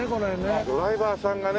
ああドライバーさんがね。